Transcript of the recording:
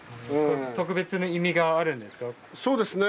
特別な意味があるんですか？